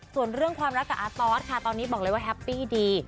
ส่วนเรื่องความรักกับอาตอสค่ะตอนนี้บอกเลยว่าแฮปปี้ดี